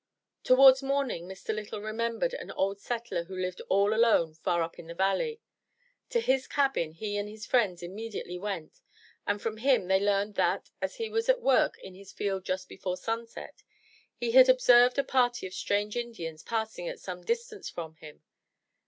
Towards morning Mr. Lytle remembered an old settler who lived all alone far up the valley. To his cabin he and his friends imme diately went, and from him they learned that, as he was at work in his field just before sunset, he had observed a party of strange Indians passing at some distance from him.